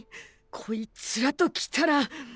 こいつらときたら。